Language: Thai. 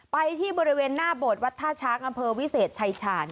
ไปที่บริเวณหน้าโบดวัทธชะกำเภอวิเศษชายฉาน